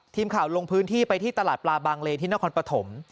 ทีมข่าวลงพื้นที่ไปที่ตลาดปลาบางเลนที่นครปฐม